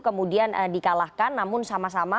kemudian dikalahkan namun sama sama